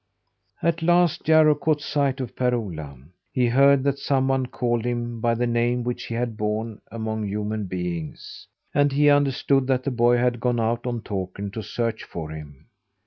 At last Jarro caught sight of Per Ola. He heard that someone called him by the name which he had borne among human beings, and he understood that the boy had gone out on Takern to search for him.